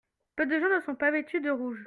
Peu de gens ne sont pas vêtu de rouge.